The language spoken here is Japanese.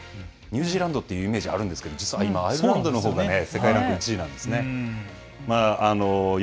実は世界ランク１位、ニュージーランドというイメージがあるんですが実は今アイルランドのほうが世界ランク１位なんです。